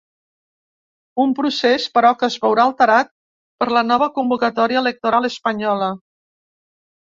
Un procés, però, que es veurà alterat per la nova convocatòria electoral espanyola.